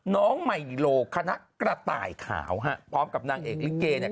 น้องใหม่ยูโลคณะกระต่ายขาวฮะพร้อมกับนางเอกลิเกเนี่ย